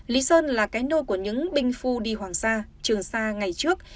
lý sơn là cái nôi của những binh phu đi hoàng sa trường sa ngày trước